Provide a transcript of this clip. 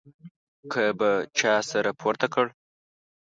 که به چا سر پورته کړ.